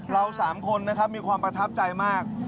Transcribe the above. เรา๓คนนะครับมีความประทับใจมาก